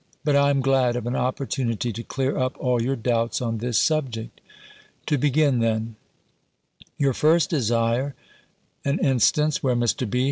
But I am glad of an opportunity to clear up all your doubts on this subject. To begin then: You first desire an instance, where Mr. B.